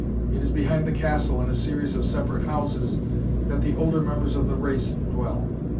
"It is behind the castle, in a series of separate houses, that the older members of the race dwell.